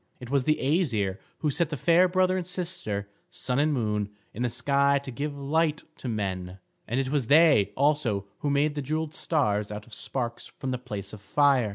It was the Æsir who set the fair brother and sister, Sun and Moon, in the sky to give light to men; and it was they also who made the jewelled stars out of sparks from the place of fire.